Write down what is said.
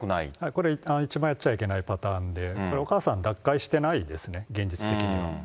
これ、一番やっちゃいけないパターンで、お母さん脱会してないですね、現実的には。